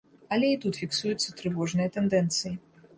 Але і тут фіксуюцца трывожныя тэндэнцыі.